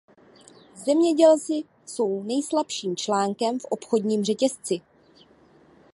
Zemědělci jsou nejslabším článkem v obchodním řetězci.